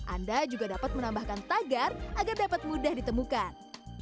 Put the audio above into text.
anda juga dapat menambahkan tagar agar dapat mudah ditemukan